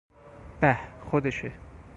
به، خودشه!